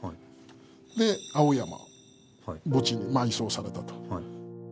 で青山墓地に埋葬されたと。